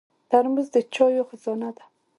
ترموز د چایو خزانه ده.